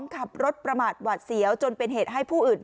ขับรถประมาทหวัดเสียวจนเป็นเหตุให้ผู้อื่น